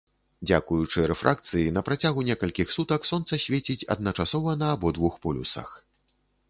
Дзякуючы рэфракцыі, на працягу некалькіх сутак сонца свеціць адначасова на абодвух полюсах.